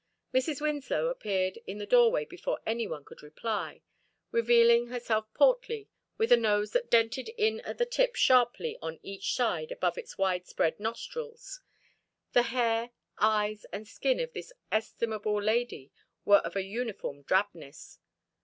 Mrs. Winslow appeared in the doorway before anyone could reply, revealing herself portly, with a nose that dented in at the tip sharply on each side above its widespread nostrils; the hair, eyes, and skin of this estimable lady were of a uniform drabness.